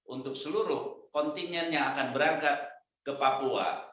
untuk seluruh kontingen yang akan berangkat ke papua